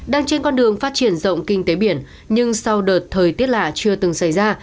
đang trên con đường phát triển rộng kinh tế biển nhưng sau đợt thời tiết lạ chưa từng xảy ra